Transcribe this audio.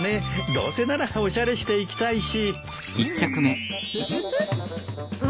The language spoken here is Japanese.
どうせならおしゃれして行きたいし。